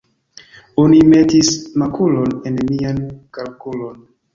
Oni metis makulon en mian kalkulon.